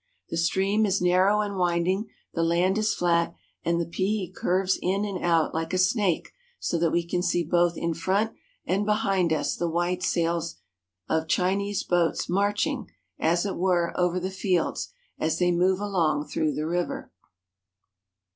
The stream is narrow and wind ing, the land is flat, and the Pei curves in and out like a snake so thatVe can see both in front and behind us the white sails of Chinese boats marching, as it were, over the fields as they move along through the river.